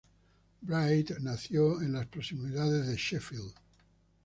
Bright nació en las proximidades de Sheffield.